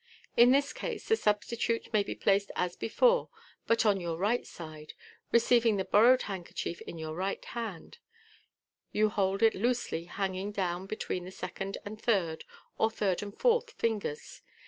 In this case the substitute may be placed as before, but on your right side. Receiving the bor rowed handkerchief in your right hand, you hold it loosely hanging down between the second and third, or third and fourth fingers.